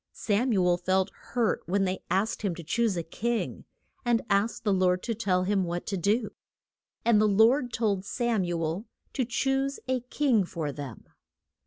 Sam u el felt hurt when they asked him to choose a king, and asked the Lord to tell him what to do. And the Lord told Sam u el to choose a king for them.